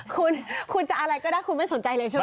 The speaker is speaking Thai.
คุณจะอะไรก็ได้คุณไม่สนใจเลยใช่มั้ย